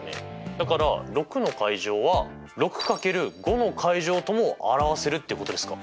だから６！は６×５！とも表せるってことですか。